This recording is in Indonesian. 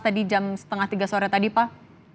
tadi jam setengah tiga sore tadi pak